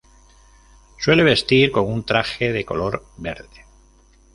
Suele vestir con un traje de color verde.